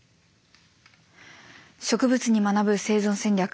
「植物に学ぶ生存戦略」。